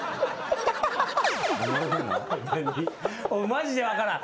マジで分からん。